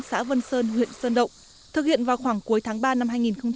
xã vân sơn huyện sơn động thực hiện vào khoảng cuối tháng ba năm hai nghìn một mươi bảy